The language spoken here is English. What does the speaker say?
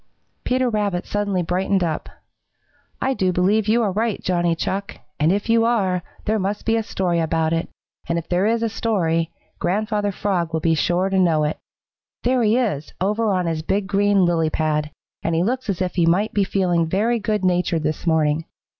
Peter Rabbit suddenly brightened up. "I do believe you are right, Johnny Chuck, and if you are, there must be a story about it, and if there is a story, Grandfather Frog will be sure to know it. There he is, over on his big green lily pad, and he looks as if he might be feeling very good natured this morning.